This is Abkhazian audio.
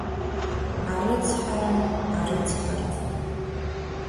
Арыц-ҳара, арыцҳара…